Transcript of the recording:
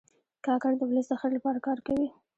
کاکړ د ولس د خیر لپاره کار کوي.